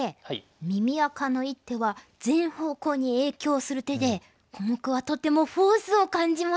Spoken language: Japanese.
耳赤の一手は全方向に影響する手でコモクはとてもフォースを感じました。